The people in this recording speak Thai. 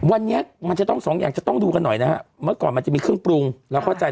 วันนี้มันจะต้องสองอย่างจะต้องดูกันหน่อยนะฮะเมื่อก่อนมันจะมีเครื่องปรุงเราเข้าใจ